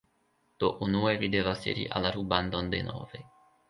Do unue vi devas iri al rubandon denove